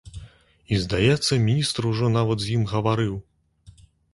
І, здаецца, міністр ужо нават з ім гаварыў.